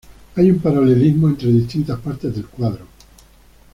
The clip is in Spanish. Hay un paralelismo entre distintas partes del cuadro.